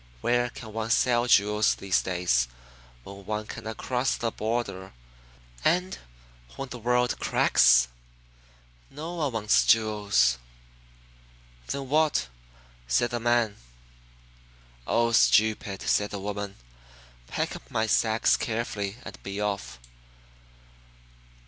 Where can one sell jewels these days when one cannot cross the border, and when the world cracks? No one wants jewels!" "'Then what?' said the man. "'Oh, stupid!' said the woman. 'Pick up my sacks carefully and be off."